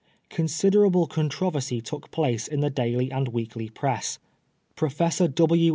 Considerable controversy took place in the daily and weekly press. Professor W.